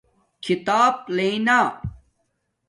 کھیتاپ لݵنا